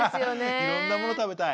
いろんなもの食べたい。